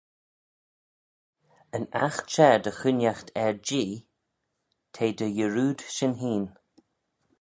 Yn aght share dy chooinaght er Jee, t'eh dy yarrood shin hene.